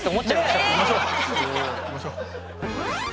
行きましょう。